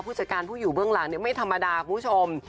ผู้จัดการผู้อยู่เบื้องหลังไม่ธรรมดาคุณผู้ชม